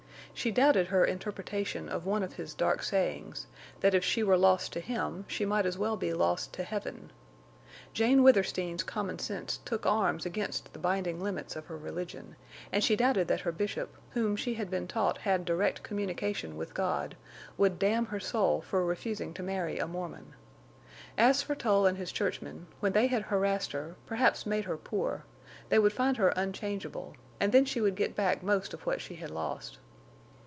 She doubted her interpretation of one of his dark sayings—that if she were lost to him she might as well be lost to heaven. Jane Withersteen's common sense took arms against the binding limits of her religion; and she doubted that her Bishop, whom she had been taught had direct communication with God—would damn her soul for refusing to marry a Mormon. As for Tull and his churchmen, when they had harassed her, perhaps made her poor, they would find her unchangeable, and then she would get back most of what she had lost.